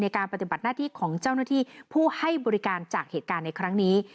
การปฏิบัติหน้าที่ของเจ้าหน้าที่ผู้ให้บริการจากเหตุการณ์ในครั้งนี้